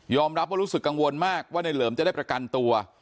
รับว่ารู้สึกกังวลมากว่าในเหลิมจะได้ประกันตัว